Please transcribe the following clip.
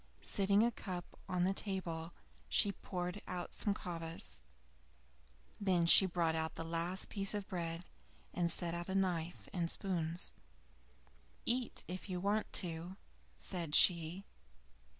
Setting a cup on the table, she poured out some kvas. Then she brought out the last piece of bread, and set out a knife and spoons. "Eat, if you want to," said she.